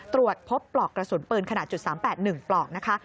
ตรวจพบปลอกกระสุนปืนขนาด๓๘๑ปลอกนะคะ